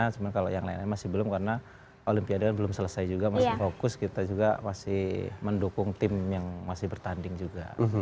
cuma kalau yang lainnya masih belum karena olimpiade belum selesai juga masih fokus kita juga masih mendukung tim yang masih bertanding juga